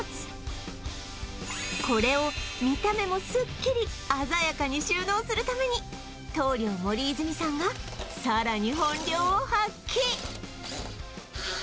これを見た目もすっきり鮮やかに収納するために棟梁森泉さんがさらに本領を発揮！